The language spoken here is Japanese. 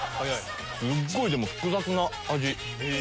すっごいでも複雑な味。